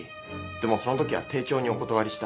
でもそのときは丁重にお断りした。